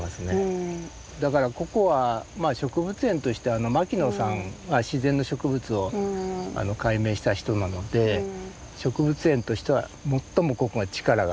だからここは植物園として牧野さんが自然の植物を解明した人なので植物園としては最もここが力が入ってるとこなんです。